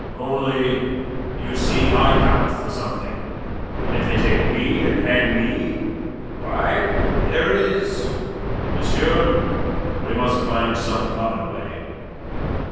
"Only, you see, I count for something: and if they take me and hang me, why, there it is! Monsieur, we must find some other way.